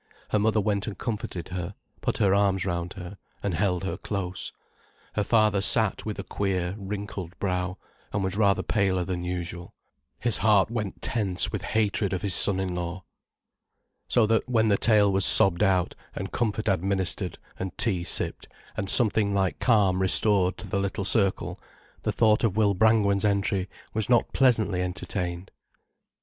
Her mother went and comforted her, put her arms round her, and held her close. Her father sat with a queer, wrinkled brow, and was rather paler than usual. His heart went tense with hatred of his son in law. So that, when the tale was sobbed out, and comfort administered and tea sipped, and something like calm restored to the little circle, the thought of Will Brangwen's entry was not pleasantly entertained.